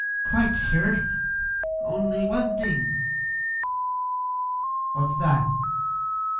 "Quite sure, only one thing " "What's that?"